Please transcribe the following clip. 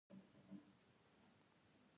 اوښ د افغانستان د بڼوالۍ یوه مهمه برخه ده.